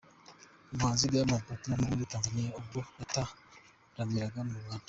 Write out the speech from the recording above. Umuhanzi Diamond Platnumz wo muri Tanzania ubwo yataramiraga mu Rwanda.